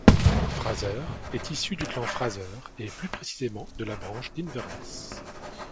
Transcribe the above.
Fraser est issu du clan Fraser et plus précisément de la branche d'Inverness.